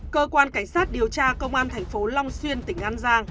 cơ quan cảnh sát điều tra công an thành phố long xuyên tỉnh an giang